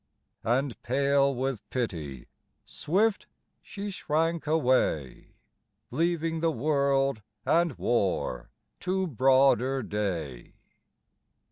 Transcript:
And pale with pity, swift she shrank away, Leaving the world and war to broader day.